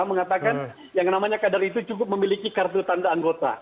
mengatakan yang namanya kader itu cukup memiliki kartu tanda anggota